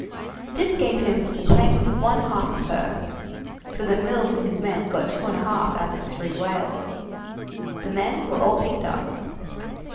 This gave him a claim of one half of her, so that Mills and his men got two and a half out of the three whales. The men were all picked up.